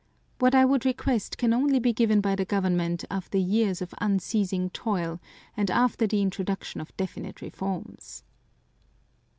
What I would request can only be given by the government after years of unceasing toil and after the introduction of definite reforms."